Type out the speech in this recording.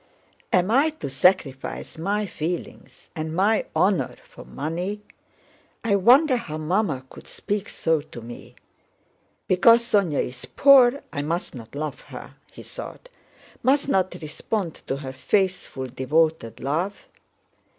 "Am I to sacrifice my feelings and my honor for money? I wonder how Mamma could speak so to me. Because Sónya is poor I must not love her," he thought, "must not respond to her faithful, devoted love?